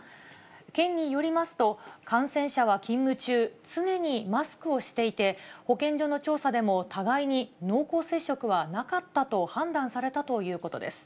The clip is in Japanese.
県によりますと、感染者は勤務中、常にマスクをしていて、保健所の調査でも、互いに濃厚接触はなかったと判断されたということです。